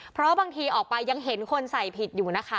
เพราะบางทีออกไปยังเห็นคนใส่ผิดอยู่นะคะ